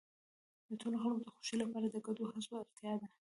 د ټولو خلکو د خوښۍ لپاره د ګډو هڅو اړتیا ده.